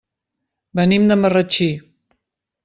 Venim de Marratxí.